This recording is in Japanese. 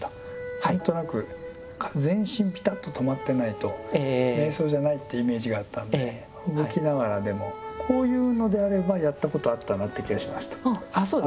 何となく全身ぴたっと止まってないと瞑想じゃないってイメージがあったんで動きながらでもこういうのであればやったことあったなって気がしました。